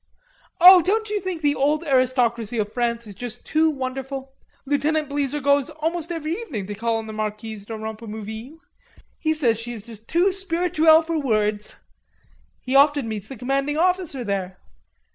"Oh, don't you think the old aristocracy of France is just too wonderful? Lieutenant Bleezer goes almost every evening to call on the Marquise de Rompemouville. He says she is just too spirituelle for words.... He often meets the Commanding Officer there."